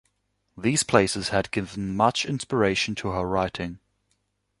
These places had given much inspiration to her writing.